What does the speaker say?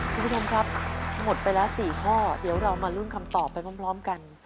คุณผู้ชมครับหมดไปแล้ว๔ข้อเดี๋ยวเรามาลุ้นคำตอบไปพร้อมกัน